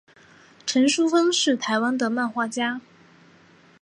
陈淑芬是台湾的漫画家。